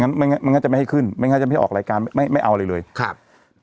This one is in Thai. ไม่งั้นมันก็จะไม่ให้ขึ้นไม่งั้นจะไม่ออกรายการไม่ไม่เอาอะไรเลยครับ